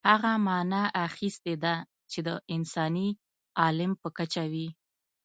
هغه معنا اخیستې ده چې د انساني عالم په کچه وي.